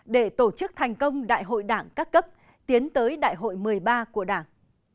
để tổ chức thành công đại hội đảng các cấp tiến tới đại hội một mươi ba của đảng